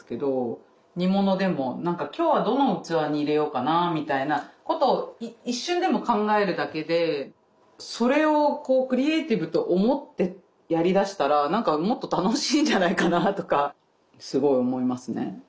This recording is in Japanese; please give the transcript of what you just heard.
煮物でも何か「今日はどの器に入れようかな」みたいなことを一瞬でも考えるだけでそれをこうクリエーティブと思ってやりだしたら何かもっと楽しいんじゃないかなとかすごい思いますね。